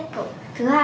cách thứ nhất